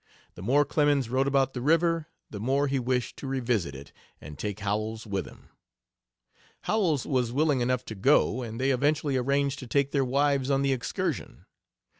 The more Clemens wrote about the river the more he wished to revisit it and take Howells with him. Howells was willing enough to go and they eventually arranged to take their wives on the excursion.